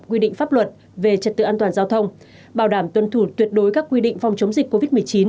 quy định pháp luật về trật tự an toàn giao thông bảo đảm tuân thủ tuyệt đối các quy định phòng chống dịch covid một mươi chín